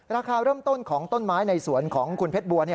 ราคาเริ่มต้นของต้นไม้ในสวนของคุณเพชรบัว